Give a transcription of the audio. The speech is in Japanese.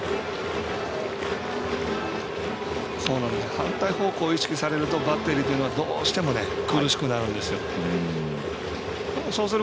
反対方向意識されるとバッテリーというのはどうしても苦しくなるんですよ。